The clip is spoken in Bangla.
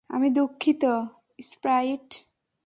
আমি দুঃখিত, স্প্রাইট।